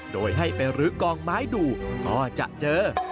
โดยให้ไปรื้อกองไม้ดูก็จะเจอ